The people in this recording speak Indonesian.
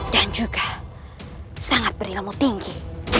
dan juga sangat berilmu tinggi